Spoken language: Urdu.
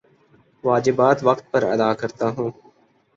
واجبات وقت پر ادا کرتا ہوں